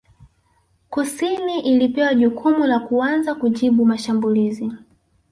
Kusini ilipewa jukumu la kuanza kujibu mashambulizi